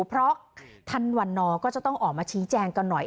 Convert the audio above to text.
เพราะท่านวันนอก็จะต้องออกมาชี้แจงกันหน่อย